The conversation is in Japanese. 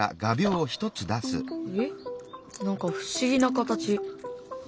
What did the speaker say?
えっ何か不思議な形。